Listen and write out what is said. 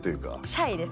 シャイです？